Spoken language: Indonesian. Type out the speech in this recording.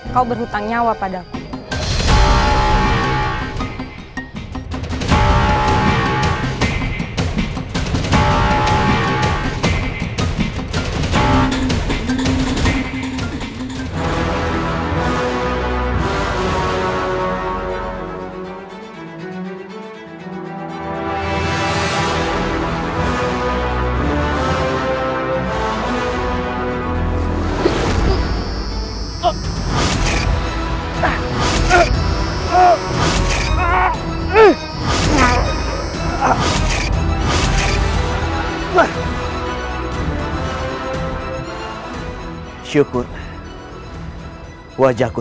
kau berhutang nyawa padaku